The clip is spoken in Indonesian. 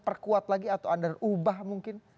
perkuat lagi atau anda ubah mungkin